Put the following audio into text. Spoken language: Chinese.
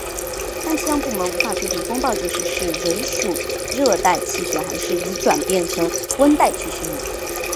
但气象部门无法确定风暴这时是仍属热带气旋还是已转变成温带气旋。